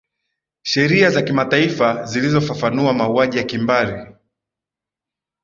sheria za kimataifa zilizofafanua mauaji ya kimbari